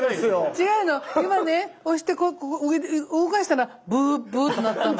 違うの今ね押して動かしたらブーブーとなったの。